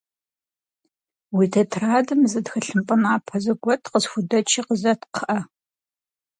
Уи тетрадым зы тхылъымпӏэ напэ зэгуэт къысхудэчи къызэт, кхъыӏэ.